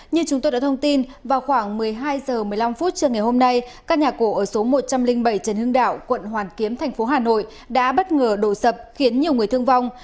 các nhà cổ ở số một trăm linh bảy trần hưng đạo quận hoàn kiếm tp hà nội đã bất ngờ đổ sập khiến nhiều người thương vong